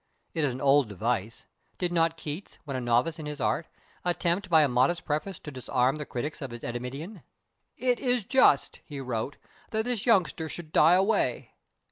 It is an old device. Did not Keats, when a novice in his art, attempt by a modest preface to disarm the critics of his Endymion? "It is just," he wrote, "that this youngster should die away."